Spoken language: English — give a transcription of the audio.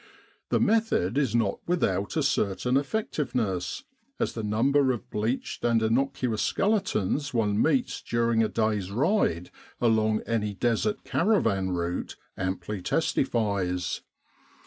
The method is not without a certain effectiveness, as the number of bleached and innocuous skeletons one meets during a day's ride along any Desert caravan route amply testifies.